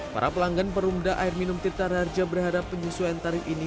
para pelanggan perumda air minum tirta raharja berharap penyesuaian tarif ini